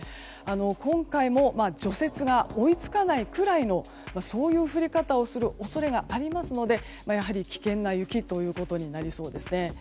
今回も除雪が追い付かないくらいのそういう降り方をする恐れがありますのでやはり危険な雪となりそうですね。